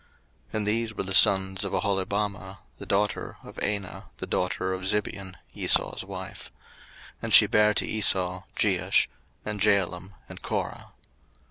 01:036:014 And these were the sons of Aholibamah, the daughter of Anah the daughter of Zibeon, Esau's wife: and she bare to Esau Jeush, and Jaalam, and Korah.